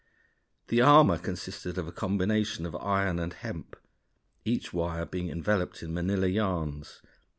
The armor consisted of a combination of iron and hemp, each wire being enveloped in manila yarns.